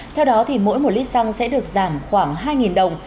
theo đó thì mỗi một lít xăng sẽ được giảm khoảng hai đồng